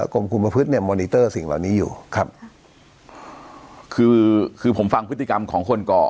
กรมคุมพฤษเนี้ยสิ่งเหล่านี้อยู่ครับคือคือผมฟังพฤติกรรมของคนก่อ